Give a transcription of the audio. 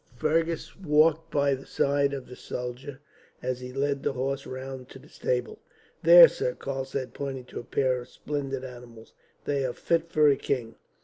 '" Fergus walked by the side of the soldier as he led the horse round to the stable. "There, sir," Karl said, pointing to a pair of splendid animals; "they are fit for a king."